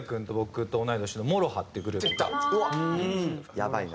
やばいな。